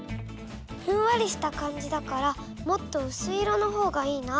ふんわりした感じだからもっとうすい色のほうがいいな。